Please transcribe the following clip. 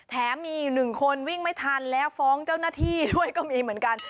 แถมมีอีกหนึ่งคนวิ่งไม่ทันแล้วฟ้องเจ้าหน้าที่ด้วยก็มีเหมือนกัน